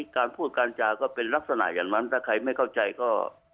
การพูดการจาก็เป็นลักษณะอย่างนั้นถ้าใครไม่เข้าใจก็